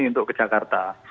untuk ke jakarta